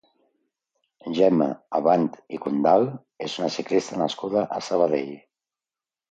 Gemma Abant i Condal és una ciclista nascuda a Sabadell.